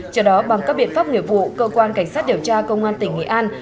trong đó bằng các biện pháp nghiệp vụ cơ quan cảnh sát điều tra công an tỉnh nghị an